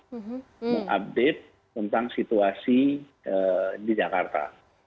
untuk mengupdate tentang situasi di jakarta